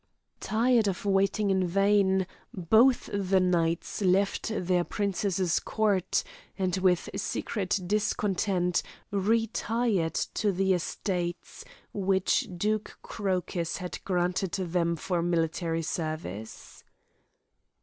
Tired of waiting in vain, both the knights left their princess's court, and with secret discontent retired to the estates, which Duke Crocus had granted them for military service.